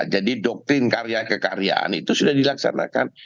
jadi doktrin karya kekaryaan itu sudah dilaksanakan